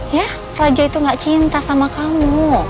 ya raja itu gak cinta sama kamu